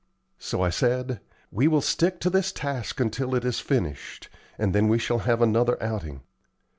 So I said: "We will stick to this task until it is finished, and then we shall have another outing.